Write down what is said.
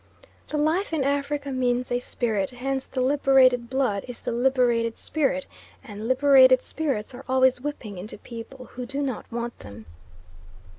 The life in Africa means a spirit, hence the liberated blood is the liberated spirit, and liberated spirits are always whipping into people who do not want them.